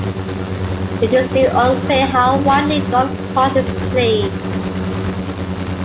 It is still unclear how widely GolfCross is played.